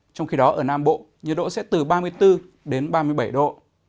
trong khi đó ở nam bộ nhiệt độ sẽ từ ba mươi bốn đến ba mươi bảy độ